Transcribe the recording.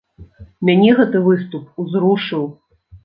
Мяне гэты выступ узрушыў!